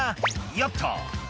「よっと」